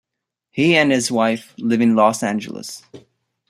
He and his wife live in Los Angeles.